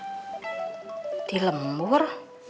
nah dia lembur